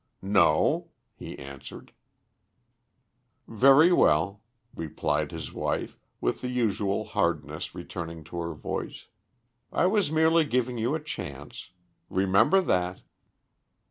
"No," he answered. "Very well," replied his wife, with the usual hardness returning to her voice. "I was merely giving you a chance. Remember that."